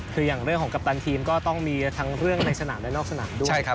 คืออย่างเรื่องของกัปตันทีมก็ต้องมีทั้งเรื่องในสนามและนอกสนามด้วยครับ